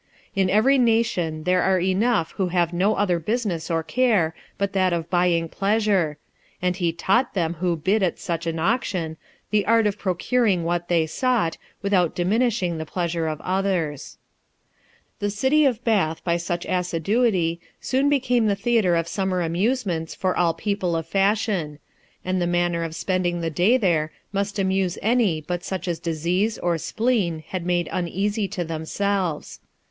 In every nation there are enough who have no other business or care but that of buying pleasure ; and he taught them who bid at such an auction, the art of procuring what they sought, without diminishing the pleasure of others. The city of Bath, by such assiduity, soon became the theatre of summer amusements for all people of fashion ; and the manner of spending the day there must amuse any but such as disease or spleen had made uneasy to themselves.